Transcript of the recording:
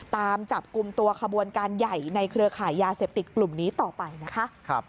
ตามจับกลุ่มตัวขบวนการใหญ่ในเครือขายยาเสพติดกลุ่มนี้ต่อไปนะคะ